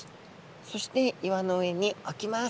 そして岩の上におきます。